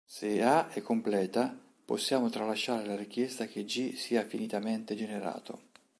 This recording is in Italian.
Se A è completa, possiamo tralasciare la richiesta che "G" sia finitamente generato.